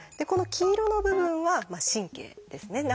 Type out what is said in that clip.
この黄色の部分は「神経」ですね。